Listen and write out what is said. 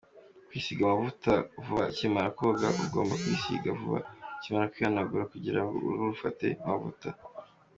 Kwisiga amavuta vuba ukimara koga:ugomba kwisiga vuba ukimara kwihanagura kugirango uruhu rufate amavuta.